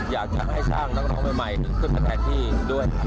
อยากจะให้สร้างน้องใหม่ขึ้นมาแทนที่ด้วย